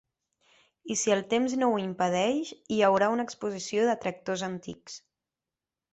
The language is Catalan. I si el temps no ho impedeix hi haurà una exposició de tractors antics.